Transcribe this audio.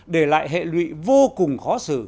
để lại hệ lụy vô cùng khó xử